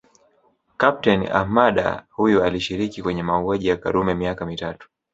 Kapteni Ahmada huyu alishiriki kwenye mauaji ya Karume miaka mitatu